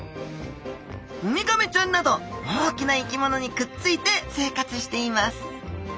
ウミガメちゃんなど大きな生き物にくっついて生活しています。